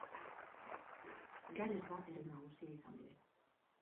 Gares da herri nagusia izan ere.